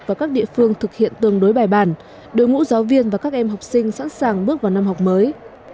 và các địa phương thực hiện tương đối bài bản đối ngũ giáo viên và các em học sinh sẵn sàng bước vào năm học mới